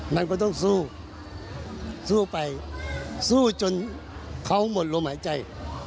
มันก็ต้องสู้สู้ไปสู้จนเขาหมดลมหายใจ